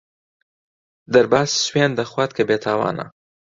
دەرباز سوێند دەخوات کە بێتاوانە.